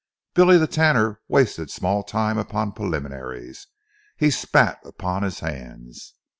Billy the Tanner wasted small time upon preliminaries. He spat upon his hands.